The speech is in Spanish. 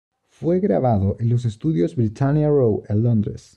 Fue grabado en los estudios Britannia Row en Londres.